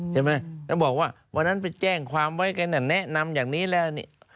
ใช่ไหมแล้วบอกว่าวันนั้นไปแจ้งความไว้กันแนะนำอย่างนี้แล้วนี่